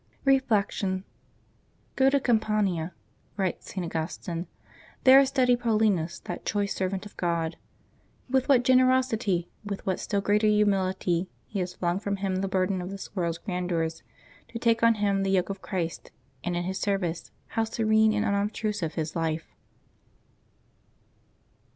Reflection. —" Go to Campania," writes St. Augustine ;" there study Paulinus, that choice servant of God. With what generosity, with what still greater humility, he has flung from him the burden of this world's grandeurs to take on him the yoke of Christ, and in His service how serene and unobtrusive his life